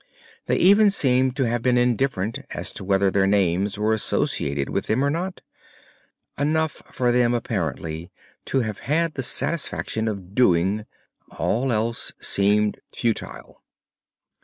They even seem to have been indifferent as to whether their names were associated with them or not. Enough for them apparently to have had the satisfaction of doing, all else seemed futile.